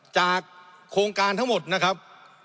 โครงการทั้งหมดนะครับ